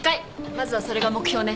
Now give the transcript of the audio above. まずはそれが目標ね。